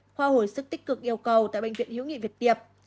khoa hồi sức tích cực yêu cầu tại bệnh viện hiếu nghị việt tiệp